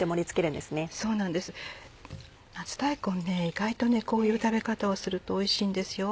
意外とこういう食べ方をするとおいしいんですよ。